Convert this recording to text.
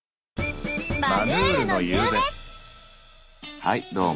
はいどうも。